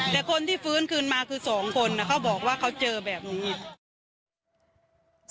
แต่คนที่ฟื้นคืนมาคือ๒คนเขาบอกว่าเขาเจอแบบนี้อีก